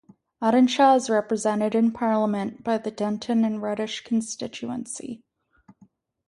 Audenshaw is represented in Parliament by the Denton and Reddish constituency.